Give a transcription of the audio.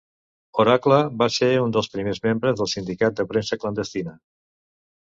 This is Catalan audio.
"Oracle" va ser un dels primers membres del sindicat de premsa clandestina.